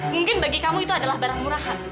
mungkin bagi kamu itu adalah barang murah